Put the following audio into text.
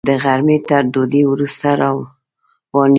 د غرمې تر ډوډۍ وروسته روانېږو.